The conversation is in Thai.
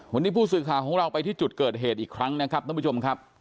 วันนี้ผู้สื่อข่าวของเราไปที่จุดเกิดเหตุอีกครั้งนะครับท่านผู้ชมครับ